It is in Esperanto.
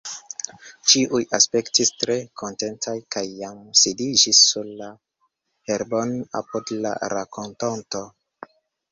Ĉiuj aspektis tre kontentaj kaj jam sidiĝis sur la herbon apud la rakontonto.